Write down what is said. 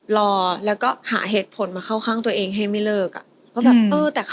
รอแล้วก็หาเหตุผลมาเข้าข้างตัวเองให้ไม่เลิกอ่ะ